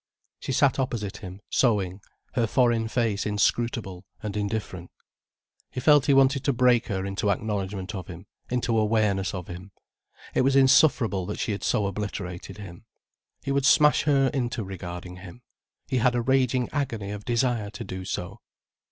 She sat opposite him, sewing, her foreign face inscrutable and indifferent. He felt he wanted to break her into acknowledgment of him, into awareness of him. It was insufferable that she had so obliterated him. He would smash her into regarding him. He had a raging agony of desire to do so.